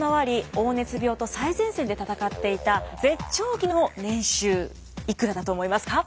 黄熱病と最前線で闘っていた絶頂期の年収いくらだと思いますか？